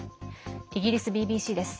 イギリスＢＢＣです。